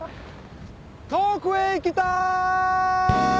遠くへ行きたい！